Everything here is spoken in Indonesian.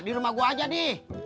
di rumah gue aja deh